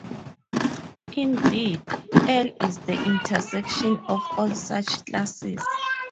Indeed, L is the intersection of all such classes.